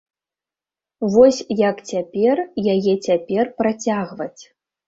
Вось як цяпер яе цяпер працягваць.